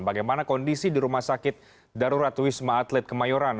bagaimana kondisi di rumah sakit darurat wisma atlet kemayoran